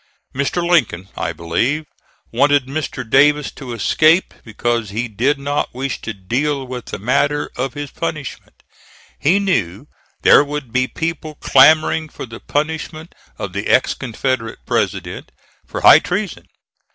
Mr. Lincoln, I believe, wanted Mr. Davis to escape, because he did not wish to deal with the matter of his punishment. He knew there would be people clamoring for the punishment of the ex Confederate president, for high treason.